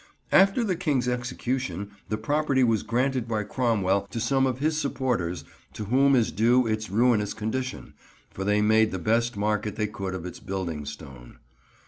After the King's execution the property was granted by Cromwell to some of his supporters, to whom is due its ruinous condition, for they made the best market they could of its building stone.